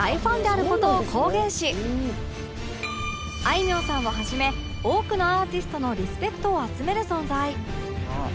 あいみょんさんを始め多くのアーティストのリスペクトを集める存在